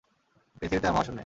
পৃথিবীতে আর মহাশূন্যে।